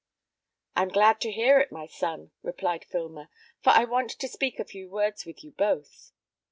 "I am glad to hear it, my son," replied Filmer, "for I want to speak a few words with you both."